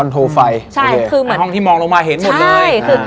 คอนโทรไฟห้องที่มองลงมาเห็นหมดเลย